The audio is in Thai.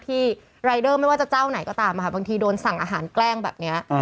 รายเดอร์ไม่ว่าจะเจ้าไหนก็ตามค่ะบางทีโดนสั่งอาหารแกล้งแบบนี้